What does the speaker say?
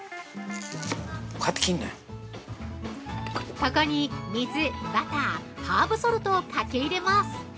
◆ここに水、バター、ハーブソルトをかけ入れます。